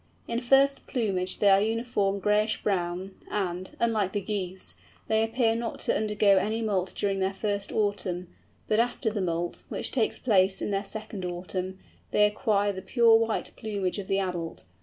In first plumage they are uniform grayish brown; and, unlike the Geese, they appear not to undergo any moult during their first autumn, but after the moult, which takes place in their second autumn, they acquire the pure white plumage of the adult.